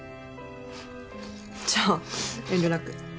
じゃあ遠慮なく。